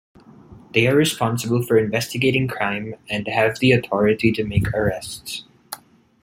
They are responsible for investigating crime, and have the authority to make arrests.